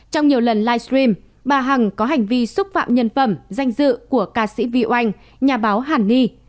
trong nhiều lần livestream bà hằng có hành vi xúc phạm nhân phẩm danh dự của ca sĩ vy oanh nhà báo hàn ni